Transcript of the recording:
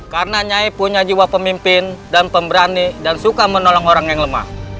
karena nyai punya jiwa pemimpin dan pemberani dan suka menolong orang yang lemah